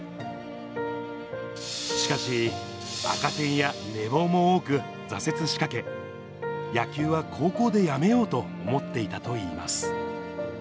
しかし、赤点や寝坊も多く挫折しかけ、野球は高校でやめようと思っていたといいます。